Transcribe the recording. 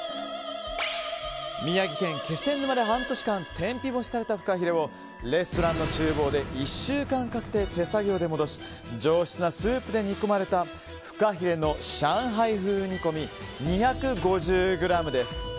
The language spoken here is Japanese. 宮城県気仙沼市で、半年間天日干しされたフカヒレをレストランの厨房で１週間かけて手作業で戻し上質なスープで煮込まれたフカヒレの上海風煮込み２５０ｇです。